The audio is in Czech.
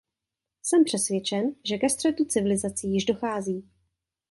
Jsem přesvědčen, že ke střetu civilizací již dochází.